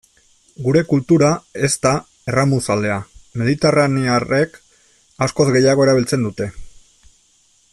Gure kultura ez da erramuzalea, mediterranearrek askoz gehiago erabiltzen dute.